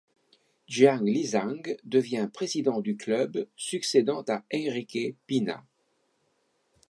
Jiang Lizhang devient président du club succédant à Enrique Pina.